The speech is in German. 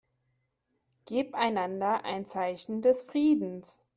Gebt einander ein Zeichen des Friedens.